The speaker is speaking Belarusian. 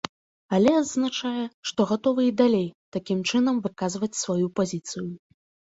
Але адзначае, што гатовы і далей такім чынам выказваць сваю пазіцыю.